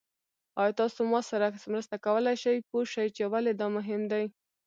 ایا تاسو ما سره مرسته کولی شئ پوه شئ چې ولې دا مهم دی؟